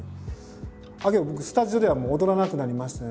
あっ僕スタジオではもう踊らなくなりましたね